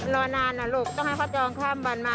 รอนานนะลูกต้องให้เขาจองข้ามวันมา